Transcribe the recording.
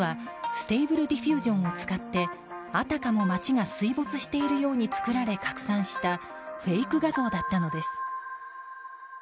実は、ＳｔａｂｌｅＤｉｆｆｕｓｉｏｎを使ってあたかも街が水没しているように作られ拡散したフェイク画像だったのです。